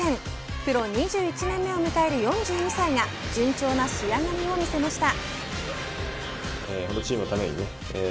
プロ２１年目を迎える４２歳が順調な仕上がりを見せました。